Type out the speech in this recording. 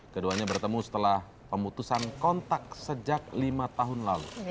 keduanya bertemu setelah pemutusan kontak sejak lima tahun lalu